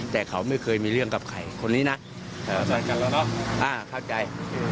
แต่เขาไม่เคยมีเรื่องกับใครคนนี้นะเข้าใจ